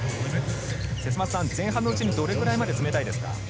節政さん、前半のうちにどれくらい詰めたいですか？